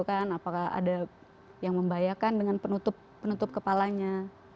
apakah ada yang membahayakan dengan penutup penutup kepalanya